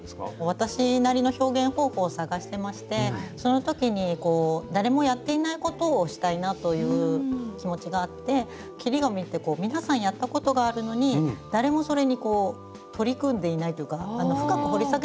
私なりの表現方法を探してましてその時にこう誰もやっていないことをしたいなという気持ちがあって切り紙って皆さんやったことがあるのに誰もそれに取り組んでいないというかあの深く掘り下げてる人はいないんじゃないかなと思って。